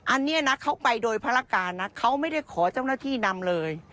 อันนี้นะเขาไปโดยภารการนะเขาไม่ได้ขอเจ้าหน้าที่นำเลย